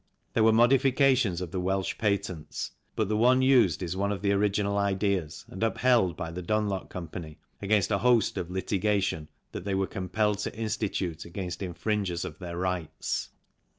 There were modifications of the Welch patents, but the one used is one of the original ideas and upheld by the Dunlop Co. against a host of litigation that they were compelled to institute against inf ringers of their rights.